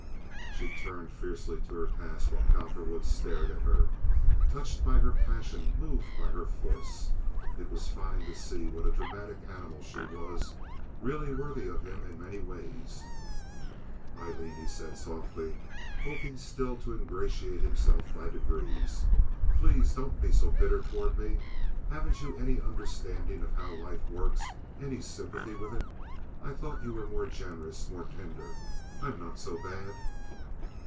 She turned fiercely to her task while Cowperwood stared at her, touched by her passion, moved by her force. It was fine to see what a dramatic animal she was—really worthy of him in many ways. "Aileen," he said, softly, hoping still to ingratiate himself by degrees, "please don't be so bitter toward me. Haven't you any understanding of how life works—any sympathy with it? I thought you were more generous, more tender. I'm not so bad."